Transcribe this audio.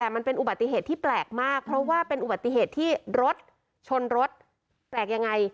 แต่มันเป็นอุบัติเหตุที่แปลกมากเพราะว่าเป็นอุบัติเหตุที่รถชนรถแปลกยังไง